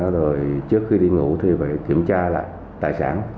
rồi trước khi đi ngủ thì phải kiểm tra lại tài sản